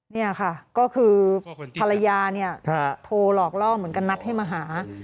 นี่ค่ะก็คือภรรยาเนี่ยโทรหลอกล่อเหมือนกันนัดให้มาหา